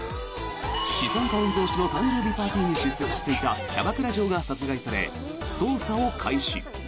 資産家御曹司の誕生日パーティーに出席していたキャバクラ嬢が殺害され捜査を開始。